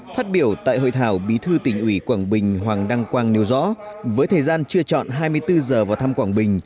phát biểu tại hội thảo bí thư tỉnh ủy quảng bình hoàng đăng quang nêu rõ với thời gian chưa chọn hai mươi bốn giờ vào thăm quảng bình